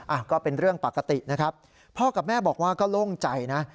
อ่ะก็เป็นเรื่องปกตินะครับพ่อกับแม่บอกว่าก็โล่งใจนะ